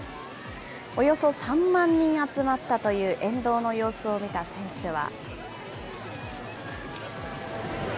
およそ３万人集まったという沿道の様子を見た選手は。